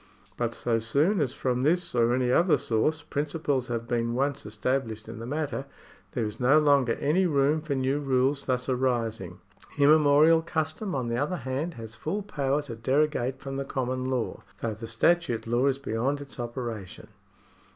But so soon as from this or any other source principles have been once established in the matter, there is no longer any room for new rules thus arising. Immemorial custom, on the other hand, has full power to derogate from the common law, though the statute law is beyond its operation.